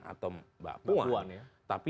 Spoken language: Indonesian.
atau mbak puan tapi